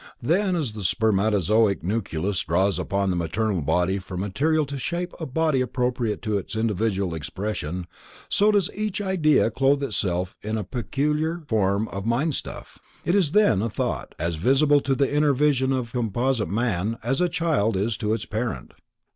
Then, as the spermatozoic nucleus draws upon the maternal body for material to shape a body appropriate to its individual expression, so does each idea clothe itself in a peculiar form of mindstuff. It is then a thought, as visible to the inner vision of composite man, as a child is to its parent.